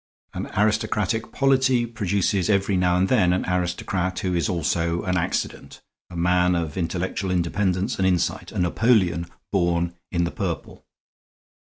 An aristocratic polity produces every now and then an aristocrat who is also an accident, a man of intellectual independence and insight, a Napoleon born in the purple.